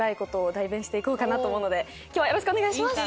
して行こうかなと思うので今日はよろしくお願いします。